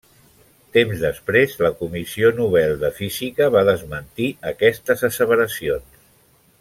Temps després la comissió Nobel de física va desmentir aquestes asseveracions.